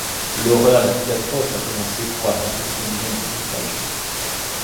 L'horreur la plus atroce a commencé pour affronter ces indigènes anthropophages.